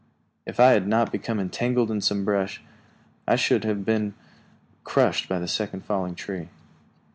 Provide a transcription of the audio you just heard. If I had not become entangled in some brush, I should have been crushed by the second falling tree.